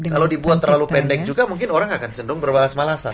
kalau dibuat terlalu pendek juga mungkin orang akan cenderung berbalas malasan